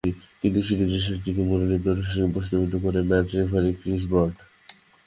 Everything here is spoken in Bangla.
কিন্তু সিরিজের শেষ দিকে মুরালির দুসরাকে প্রশ্নবিদ্ধ করেন ম্যাচ রেফারি ক্রিস ব্রড।